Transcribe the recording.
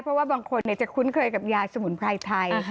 เพราะว่าบางคนจะคุ้นเคยกับยาสมุนไพรไทย